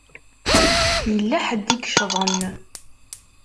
Yella ḥedd i yeccḍen.